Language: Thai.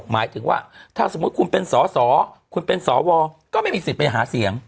หมายถึงว่าถ้าสมมุติคุณเป็นสอสอคุณเป็นสวก็ไม่มีสิทธิ์ไปหาเสียง